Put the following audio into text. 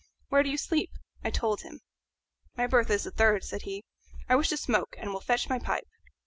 Where do you sleep?" I told him. "My berth is the third," said he. "I wish to smoke, and will fetch my pipe."